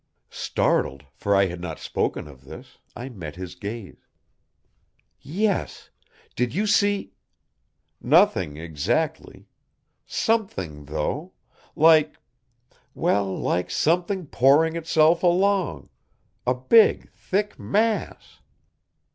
Startled, for I had not spoken of this, I met his gaze. "Yes. Did you see " "Nothing, exactly. Something, though! Like well, like something pouring itself along; a big, thick mass.